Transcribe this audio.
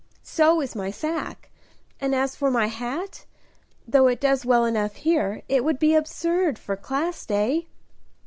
So is my sacque; and as for my hat, though it does well enough here, it would be absurd for Class Day."